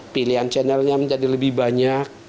pilihan channelnya menjadi lebih banyak